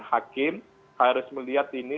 hakim harus melihat ini